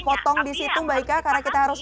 potong disitu mbak ika karena kita harus